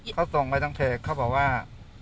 เขาส่งไปทางเพจเขาบอกว่า